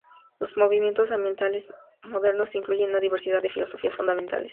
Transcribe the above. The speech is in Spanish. Los movimientos ambientales modernos incluyen una diversidad de filosofías fundamentales.